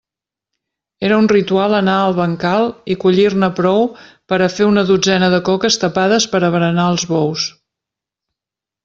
Era un ritual anar al bancal i collir-ne prou per a fer una dotzena de coques tapades per a berenar als bous.